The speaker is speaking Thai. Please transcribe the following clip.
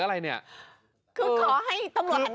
สาธุ